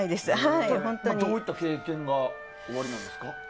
どういった経験がおありなんですか？